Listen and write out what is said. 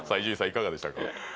いかがでしたか？